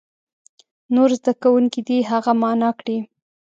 نور زده کوونکي دې هغه معنا کړي.